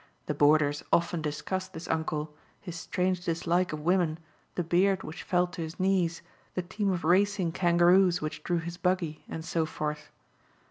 The boarders often discussed this uncle, his strange dislike of women, the beard which fell to his knees, the team of racing kangaroos which drew his buggy, and so forth.